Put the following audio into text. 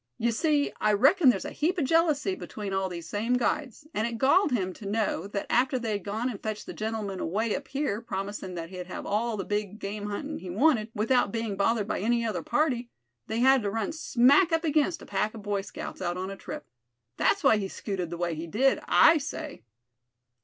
You see, I reckon there's a heap of jealousy between all these same guides; and it galled him to know that after they'd gone and fetched the gentleman away up here, promisin' that he'd have all the big game huntin' he wanted, without being bothered by any other party, they had to run smack up against a pack of Boy Scouts, out on a trip. That's why he scooted the way he did, I say."